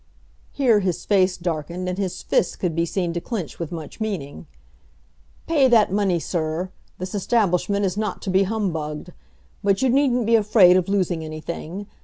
(Here his face darkened, and his fists could be seen to clench with much meaning.) "Pay that money, Sir! This establishment is not to be humbugged. But you needn't be afraid of losing anything.